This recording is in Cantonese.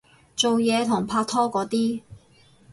做嘢同拍拖嗰啲